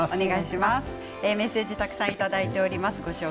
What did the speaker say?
メッセージ、たくさんいただいております。